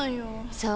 そう。